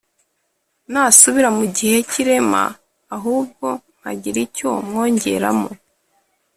Nasubira mu gihe cy’irema ahubwo nkagira icyo mwongeramo